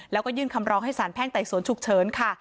แล้วก็ยื่นคำร้องให้สารแพ่งไต่สวนฉุกเฉินค่ะ